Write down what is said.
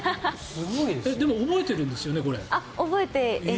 でも覚えてるんですよね？